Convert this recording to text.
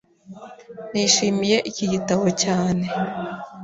Nishimiye iki gitabo cyane.